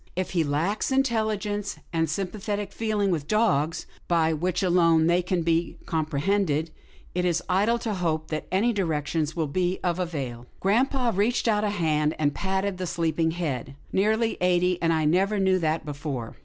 If he lacks intelligence and sympathetic feeling with dogs, by which alone they can be com prehended, it is idle to hope that any directions will be of avail.' " Grampa reached out a hand, and patted the sleep ing head. " Nearly eighty, and I never knew that before."